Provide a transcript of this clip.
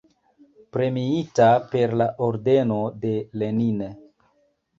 Premiita per la ordeno de Lenin.